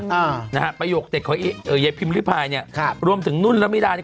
นะฮะประโยคเด็กคอยเยทิมริพายเนี่ยรวมถึงนุชนะมิดานี่